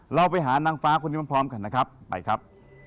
เราไปหานางฟ้าคนนี้พร้อมกันนะครับไปครับ